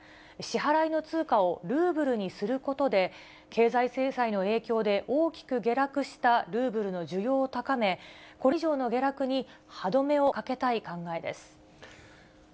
支払いの通貨をルーブルにすることで、経済制裁の影響で大きく下落したルーブルの需要を高め、これ以上の下落に歯止めをかけたい考えです。